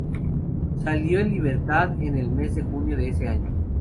Salió en libertad en el mes de junio de ese año.